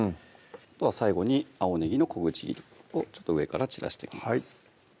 あとは最後に青ねぎの小口切りをちょっと上から散らしていきます